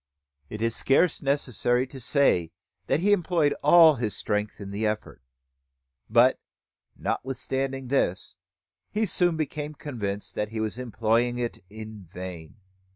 It is scarce necessary to say that he employed all his strength in the effort; but, notwithstanding this, he soon became convinced that he was employing it in vain.